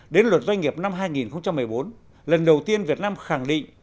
đến luật doanh nghiệp năm hai nghìn một mươi bốn lần đầu tiên việt nam khẳng định